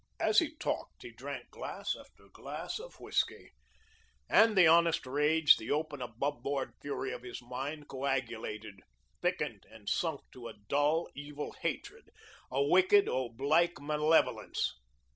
As he talked, he drank glass after glass of whiskey, and the honest rage, the open, above board fury of his mind coagulated, thickened, and sunk to a dull, evil hatred, a wicked, oblique malevolence.